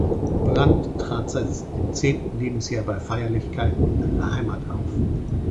Brand trat seit dem zehnten Lebensjahr bei Feierlichkeiten in ihrer Heimat auf.